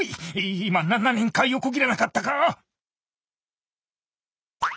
今な何か横切らなかったか？